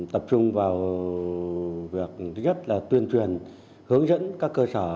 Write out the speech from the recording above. tập trung vào việc tuyên truyền hướng dẫn các cơ sở